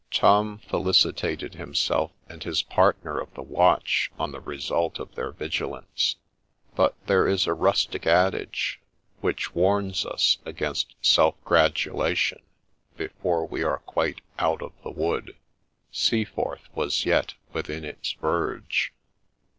Tom felicitated himself and his partner of the watch on the result of their vigilance ; but there is a rustic adage, which warns us against self gratulation before we are quite 'out of the wood.' — Seaforth was yet within its verge.